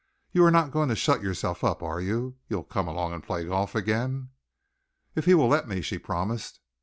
You are not going to shut yourself up, are you? You'll come and play golf again?" "If he will let me," she promised.